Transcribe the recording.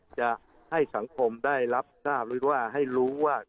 จะให้สังคมได้รับทราบหรือว่าให้รู้ว่า